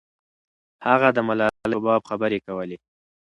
هغه د ملالۍ په باب خبرې کولې.